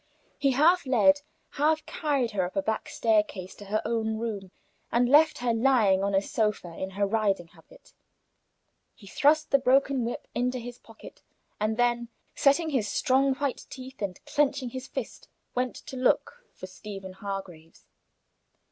He half led, half carried her up a back staircase to her own room, and left her lying on a sofa in her riding habit. He thrust the broken whip into his pocket, and then, setting his strong white teeth and clenching his fist, went to look for Stephen Hargraves.